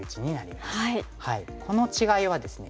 この違いはですね